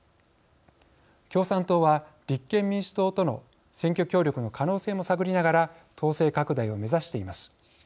共産党は立憲民主党との選挙協力の可能性も探りながら党勢拡大を目指しています。